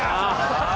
ハハハハ！